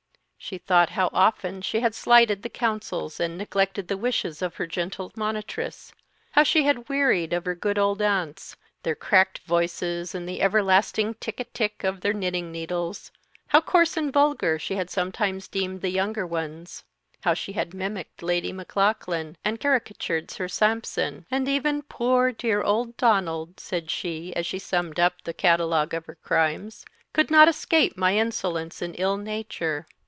She thought how often she had slighted the counsels and neglected the wishes of her gentle monitress; how she had wearied of her good old aunts, their cracked voices, and the everlasting tic a tic of their knitting needles; how coarse and vulgar she had sometimes deemed the younger ones; how she had mimicked Lady Maclaughlan, and caricatured Sir Sampson, and "even poor dear old Donald," said she, as she summed up the catalogue of her crimes, "could not escape my insolence and ill nature.